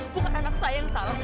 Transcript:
bukan anak saya yang salah